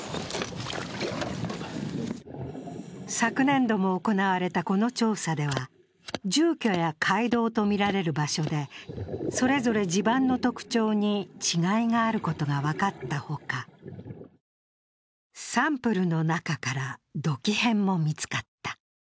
昨年度も行われたこの調査では、住居や街道とみられる場所でそれぞれ地盤の特徴に違いがあることが分かったほかサンプルの中から土器片も見つかった。